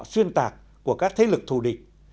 xuyên tạc của các thế lực thù địch